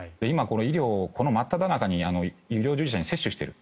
医療の真っただ中に医療従事者に接種している。